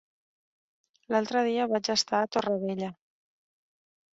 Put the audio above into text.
L'altre dia vaig estar a Torrevella.